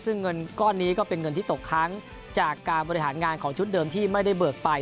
ซึ่งเงินก้อนนี้ก็เป็นเงินที่ตกค้างจากการบริหารงานของชุดเดิมที่ไม่ได้เบิกไป